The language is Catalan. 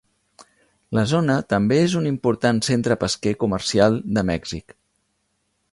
La zona també és un important centre pesquer comercial de Mèxic.